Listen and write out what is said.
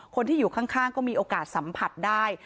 คนที่อยู่ข้างก็มีโอกาสสัมผัสได้